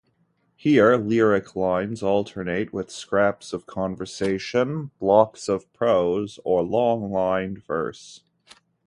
Here lyric lines alternate with scraps of conversation, blocks of prose or long-lined verse.